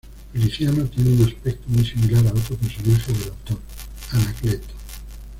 Feliciano tiene un aspecto muy similar a otro personaje del autor, Anacleto.